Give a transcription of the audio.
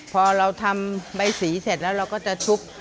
พอเราทำใบสีเสร็จแล้วเราก็จะชุบ